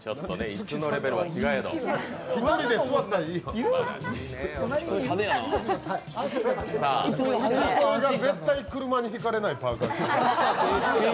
付き添いが絶対車にひかれないパーカ。